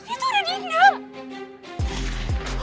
itu udah dinggang